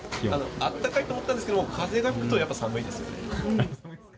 あったかいと思ったんですけども、風が吹くとやっぱり寒いですよね。